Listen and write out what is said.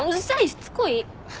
しつこい！